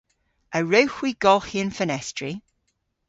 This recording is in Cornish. A wrewgh hwi golghi an fenestri?